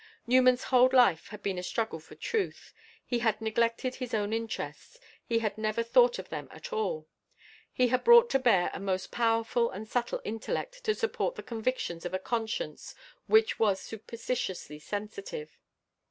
Newman's whole life had been a struggle for truth. He had neglected his own interests; he had never thought of them at all. He had brought to bear a most powerful and subtle intellect to support the convictions of a conscience which was superstitiously sensitive.